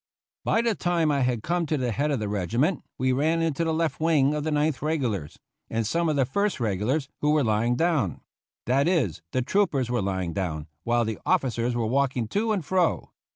By the time I had come to the head of the regiment we ran into the left wing of the Ninth Regulars, and some of the First Regulars, who were lying down ; that is, the troopers were lying down, while the officers were walking to and fro.